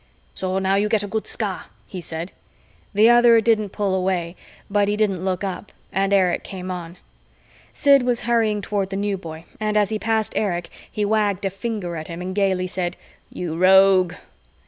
"So, now you get a good scar," he said. The other didn't pull away, but he didn't look up and Erich came on. Sid was hurrying toward the New Boy, and as he passed Erich, he wagged a finger at him and gayly said, "You rogue."